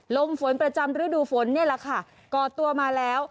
ลมฝนประจำฤดูฝนนี่แหละค่ะก่อตัวมาแล้ว